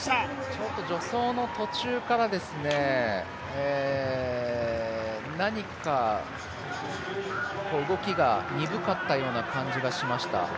ちょっと助走の途中から何か動きが鈍かったような感じがしました。